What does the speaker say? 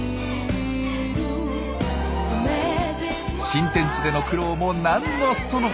新天地での苦労も何のその。